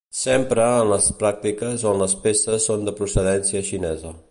S'empra en les pràctiques on les peces són de procedència xinesa.